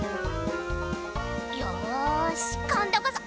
よーし今度こそ。